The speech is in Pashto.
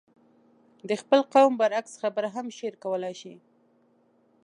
د خپل قوم برعکس خبره هم شعر کولای شي.